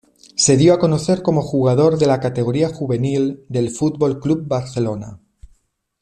Se dio a conocer como jugador de la categoría juvenil del Fútbol Club Barcelona.